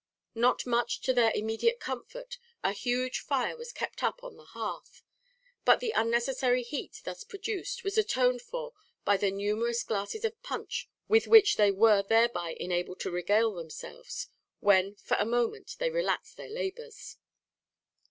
Not much to their immediate comfort a huge fire was kept up on the hearth; but the unnecessary heat thus produced was atoned for by the numerous glasses of punch with which they were thereby enabled to regale themselves, when for a moment they relaxed their labours.